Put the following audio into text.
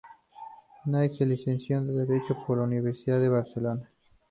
Negre se licenció en Derecho por la Universidad de Barcelona.